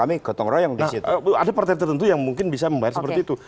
ada partai tertentu yang mungkin bisa membayar seperti itu